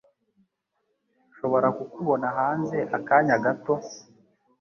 Nshobora kukubona hanze akanya gato?